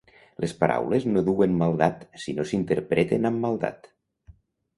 Les paraules no duen maldat si no s'interpreten amb maldat.